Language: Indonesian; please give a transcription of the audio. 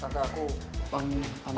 tante aku pamit